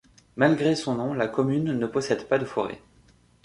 Malgré son nom, la commune ne possède pas de forêt.